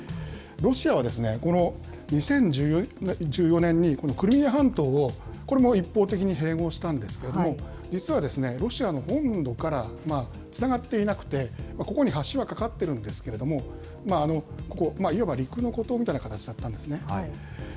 ロシアはこの２０１４年に、クリミア半島を、これも一方的に併合したんですけれども、実は、ロシアの本土からつながっていなくて、ここに橋は架かっているんですけれども、ここ、いわば陸の孤島みたいな形だったんですね。